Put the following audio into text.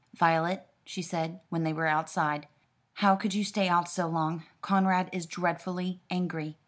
"Violet," she said, when they were outside, "how could you stay out so long? Conrad is dreadfully angry."